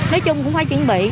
nói chung cũng phải chuẩn bị